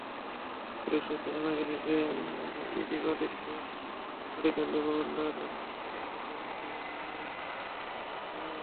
Police সূত্রে জানা গেছে, ইতি বাজিতপুর দড়িকান্দি মহল্লার মৃত কাজী লায়েছ মিয়ার মেয়ে।